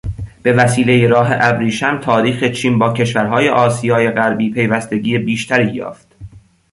بوسیلهٔ راه ابریشم تاریخ چین با کشورهای آسای غربی پیوستگی بیشتری یافت.